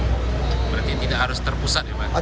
berarti tidak harus terpusat ya pak